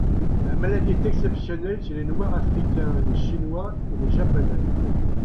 La maladie est exceptionnelle chez les Noirs africains, les Chinois et les Japonais.